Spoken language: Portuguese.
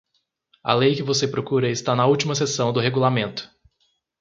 A lei que você procura está na última seção do regulamento.